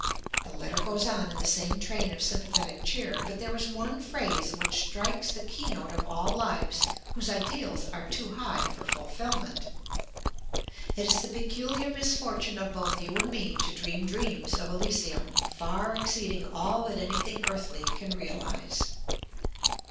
The letter goes on in the same train of sympathetic cheer, but there is one phrase which strikes the keynote of all lives whose ideals are too high for fulfillment: "It is the peculiar misfortune of both you and me to dream dreams of Elysium far exceeding all that anything earthly can realize."